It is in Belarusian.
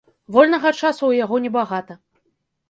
Вольнага часу ў яго небагата.